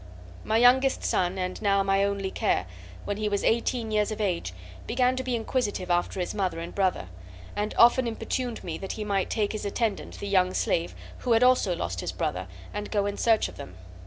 "My youngest son, and now my only care, when he was eighteen years of age, began to be inquisitive after his mother and his brother, and often importuned me that he might take his attendant, the young slave, who had also lost his brother, and go in search of them.